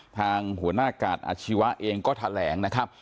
ทางหัวหน้ากาศอาชีวะเองก็แถลงนะครับ